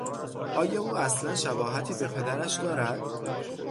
آیا او اصلا شباهتی به پدرش دارد؟